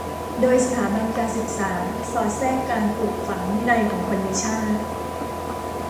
โดยสถาบันการศึกษาสอดแทรกการปลูกฝังวินัยของคนในชาติ